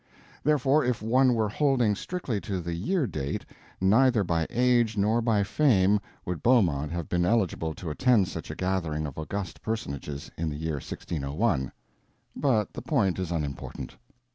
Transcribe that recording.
Therefore, if one were holding strictly to the year date, neither by age nor by fame would Beaumont have been eligible to attend such a gathering of august personages in the year 1601; but the point is unimportant.